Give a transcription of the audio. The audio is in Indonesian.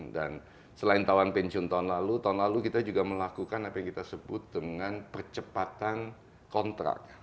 dan selain tawaran pensiun tahun lalu tahun lalu kita juga melakukan apa yang kita sebut dengan percepatan kontrak